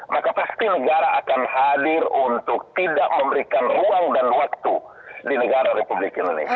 maka pasti negara akan hadir untuk tidak memberikan ruang dan waktu di negara republik indonesia